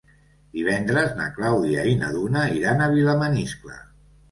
Divendres na Clàudia i na Duna iran a Vilamaniscle.